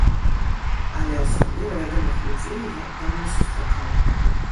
Але асабліва вядомых людзей я там не сустракаў.